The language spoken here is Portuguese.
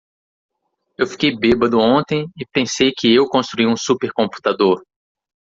Eu fiquei bêbado ontem e pensei que eu construí um super computador.